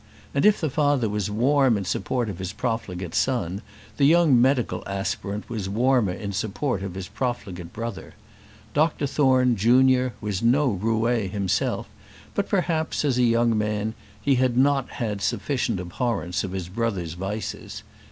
And if the father was warm in support of his profligate son, the young medical aspirant was warmer in support of his profligate brother. Dr Thorne, junior, was no roué himself, but perhaps, as a young man, he had not sufficient abhorrence of his brother's vices.